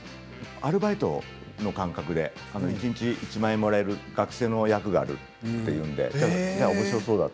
アルバイトの感覚で一日１万円もらえる学生の役があるというのでおもしろそうだと。